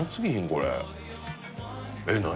これえっ何？